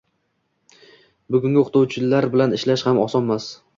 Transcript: Bugungi o‘quvchilar bilan ishlash ham osonmas.